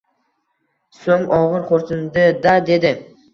Soʻng ogʻir xoʻrsindi-da, dedi